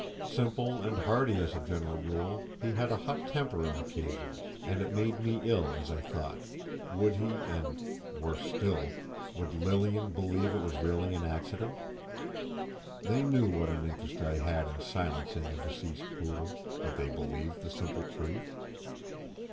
Simple and hearty, as a general rule, he had a hot temper on occasions, and it made me ill as I thought, would he and, worse still, would Lilian believe it was really an accident? They knew what an interest I had in silencing the deceased poodle—would they believe the simple truth?